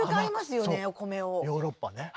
ヨーロッパね。